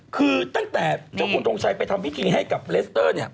คือตั้งแต่เจ้าคุณทงชัยไปทำพิธีให้กับเลสเตอร์เนี่ย